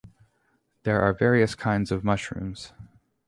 There are various kinds of mushrooms.